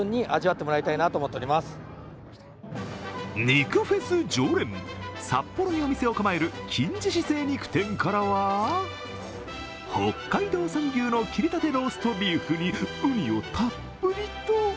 肉フェス常連、札幌にお店を構える金獅子精肉店からは北海道産、牛の切り立てローストビーフにウニをたっぷりと。